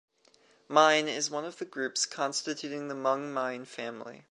Mine is one of the groups constituting the Hmong-Mien family.